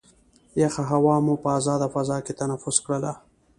یخه هوا مو په ازاده فضا کې تنفس کړل.